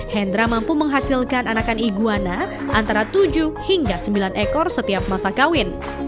hendra mampu menghasilkan anakan iguana antara tujuh hingga sembilan ekor setiap masa kawin